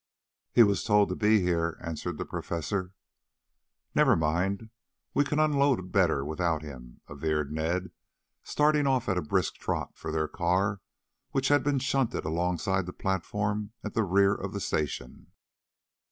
"He was told to be here," answered the Professor. "Never mind; we can unload better without him," averred Ned, starting off at a brisk trot for their car which had been shunted alongside the platform at the rear of the station.